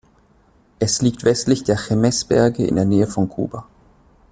Es liegt westlich der Jemez-Berge in der Nähe von Cuba.